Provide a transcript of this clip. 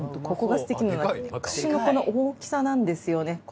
ここがすてきなのは串のこの大きさなんですよね。